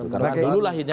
karena dulu lah hidupnya